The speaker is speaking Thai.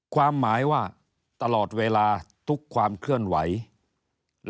ความหมายว่าตลอดเวลาทุกความเคลื่อนไหว